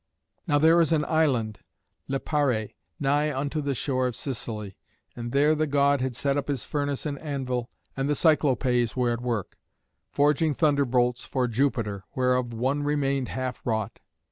Now there is an island, Liparé, nigh unto the shore of Sicily, and there the god had set up his furnace and anvil, and the Cyclopés were at work, forging thunderbolts for Jupiter, whereof one remained half wrought.